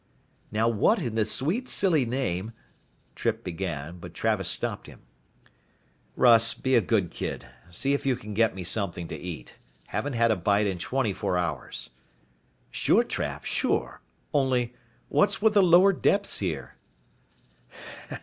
"Now what in the sweet silly name " Trippe began, but Travis stopped him. "Russ, be a good kid. See if you can get me something to eat. Haven't had a bite in 24 hours." "Sure, Trav, sure, only what's with the Lower Depths here?"